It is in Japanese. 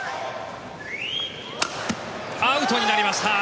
アウトになりました。